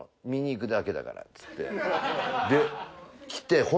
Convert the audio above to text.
見に行くだけだからっつって。